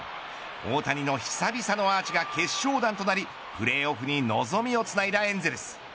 大谷の久々のアーチが決勝弾となりプレーオフに望みをつないだエンゼルス。